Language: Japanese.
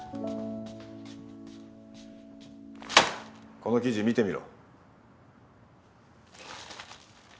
この記事見てみろ。